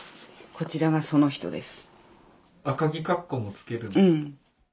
「こちらが『その人』です」。